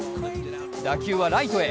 打球はライトへ。